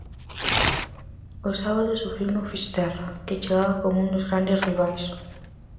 O sábado sufriuno o Fisterra, que chegaba como un dos grandes rivais.